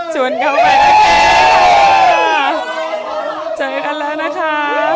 ชวนเข้าไปนะคะเจอกันแล้วนะคะ